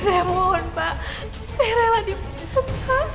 saya mohon pak saya rela dipecat pak